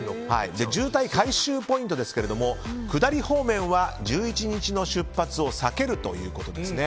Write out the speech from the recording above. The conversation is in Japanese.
渋滞回避ポイントですけど下り方面は１１日の出発を避けるということですね。